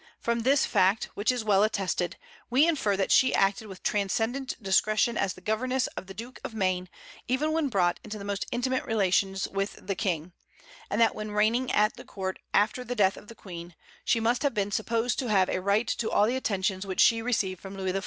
From this fact, which is well attested, we infer that she acted with transcendent discretion as the governess of the Duke of Maine, even when brought into the most intimate relations with the King; and that when reigning at the court after the death of the Queen, she must have been supposed to have a right to all the attentions which she received from Louis XIV.